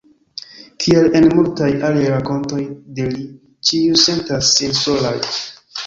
Kiel en multaj aliaj rakontoj de li, ĉiuj sentas sin solaj.